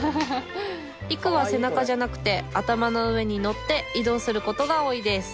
育は背中じゃなくて頭の上に乗って移動することが多いです。